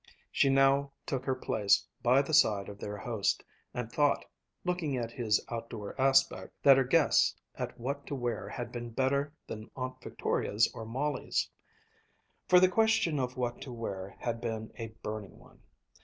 She now took her place by the side of their host, and thought, looking at his outdoor aspect, that her guess at what to wear had been better than Aunt Victoria's or Molly's. For the question of what to wear had been a burning one.